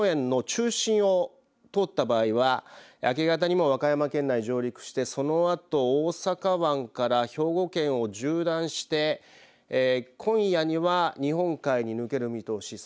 この予報円の中心を通った場合は明け方にも和歌山県内、上陸してそのあと大阪湾から兵庫県を縦断して今夜には日本海に抜ける見通し